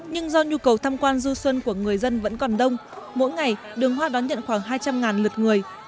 nhưng do nhu cầu tham quan du xuân của người dân vẫn còn đông mỗi ngày đường hoa đón nhận khoảng hai trăm linh lượt người